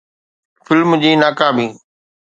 film جي ناڪامي